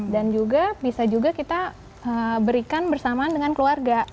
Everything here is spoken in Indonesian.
dan juga bisa juga kita berikan bersamaan dengan keluarga